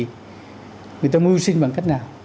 người ta mưu sinh bằng cách nào